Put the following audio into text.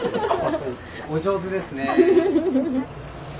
お上手ですね。